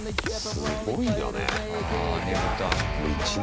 すごいな。